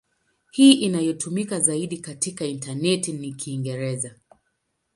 Hii inayotumika zaidi katika intaneti ni Kiingereza.